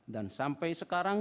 dan sampai sekarang